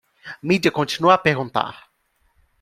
Mídia continua a perguntar